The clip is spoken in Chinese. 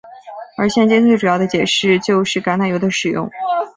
而现今最主要的解释就是橄榄油的使用。